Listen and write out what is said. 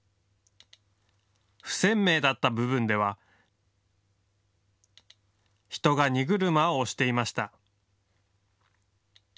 不鮮明だった部分では人が荷車を押していました。